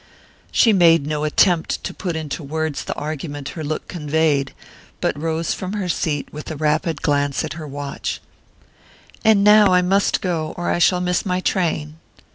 She made no attempt to put into words the argument her look conveyed, but rose from her seat with a rapid glance at her watch. "And now I must go, or I shall miss my train."